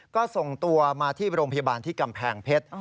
ก็ส่งตัวมาที่โรงพยาบาลที่กำแพงเพชร